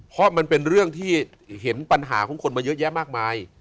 เพราะมันเป็นเรื่องที่เห็นปัญหาของคนมาเยอะแยะมากมาย